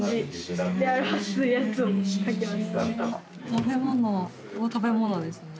食べ物食べ物ですね。